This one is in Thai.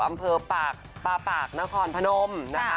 อำเภอปากปลาปากนครพนมนะคะ